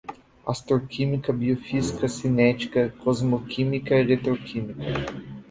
astroquímica, biofísica, cinética, cosmoquímica, eletroquímica, espectroscopia, femtoquímica, físico-química, fotoquímica